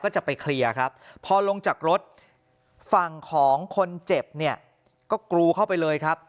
ก็จะไปเคลียร์ครับพอลงจากรถฝั่งของคนเจ็บเนี่ยก็กรูเข้าไปเลยครับ